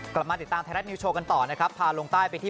กลับมาติดตามไทยรัฐนิวโชว์กันต่อนะครับพาลงใต้ไปที่